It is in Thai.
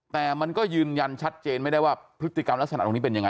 แต่มันก็ยืนยันชัดเจนไม่ได้ว่าพฤติกรรมลักษณะตรงนี้เป็นยังไง